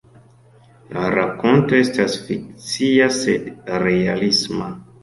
La rakonto estas fikcia, sed realisma.